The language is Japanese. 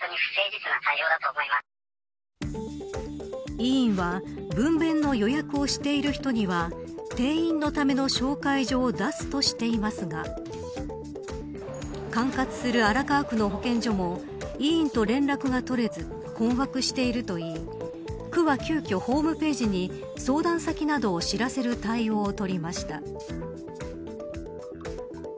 医院は分娩の予約をしている人には転院のための紹介状を出すとしていますが管轄する荒川区の保健所も医院と連絡が取れず困惑しているといい区は急きょ、ホームページに相談先などを知らせる対応を取りました。